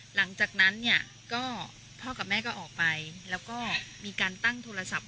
หลังจากนั้นเนี่ยก็พ่อกับแม่ก็ออกไปแล้วก็มีการตั้งโทรศัพท์